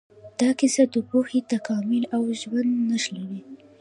دا کیسه د پوهې، تکامل او ژونده نښلوي.